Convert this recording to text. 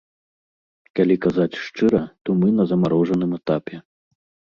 Калі казаць шчыра, то мы на замарожаным этапе.